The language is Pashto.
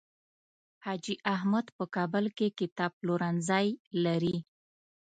حاجي احمد په کابل کې کتاب پلورنځی لري.